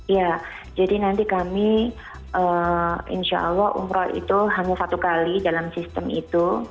ya jadi nanti kami insya allah umroh itu hanya satu kali dalam sistem itu